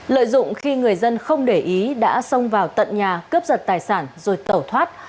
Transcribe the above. lợi dụng khi người dân không để ý đã xông vào tận nhà cướp giật tài sản rồi tẩu thoát